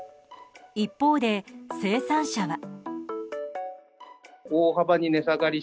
一方で生産者は。